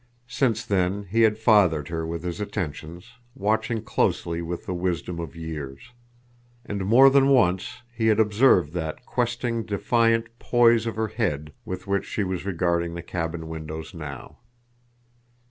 Since then he had fathered her with his attentions, watching closely with the wisdom of years. And more than once he had observed that questing, defiant poise of her head with which she was regarding the cabin windows now.